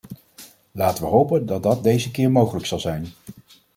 Laten we hopen dat dat deze keer mogelijk zal zijn.